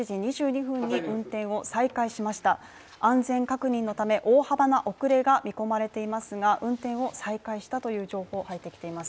安全確認のため大幅な遅れが見込まれていますが運転を再開したという情報が入ってきています。